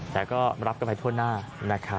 แต่ก็รับกันไปทั่วหน้านะครับ